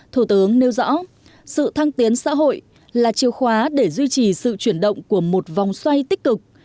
thủ tướng nêu rõ sự thăng tiến xã hội là chìa khóa để duy trì sự chuyển động của một vòng xoay tích cực